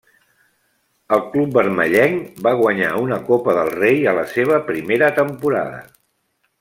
Al club vermellenc va guanyar una Copa del Rei a la seva primera temporada.